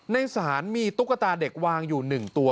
ในศาลมีตุ๊กตาเด็กวางอยู่๑ตัว